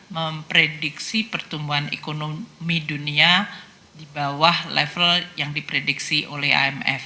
memprediksi pertumbuhan ekonomi dunia di bawah level yang diprediksi oleh imf